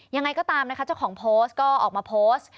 ยังไงก็ตามนะคะเจ้าของโพสต์ก็ออกมาโพสต์